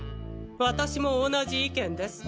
私も同じ意見です。